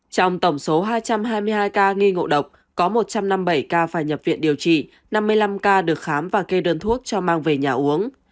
trong tổng số hai trăm hai mươi hai ca nghi ngộ độc có một trăm năm mươi bảy ca phải nhập viện điều trị năm mươi năm ca được khám và kê đơn thuốc cho mang về nhà uống